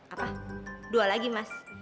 apa dua lagi mas